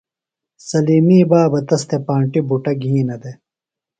سلِیمی بابہ تس تھےۡ پانٹیۡ بُٹہ گِھینہ دےۡ۔